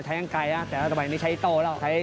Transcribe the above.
ใช้อังกายแต่ว่าตอนนี้ใช้โต้แล้ว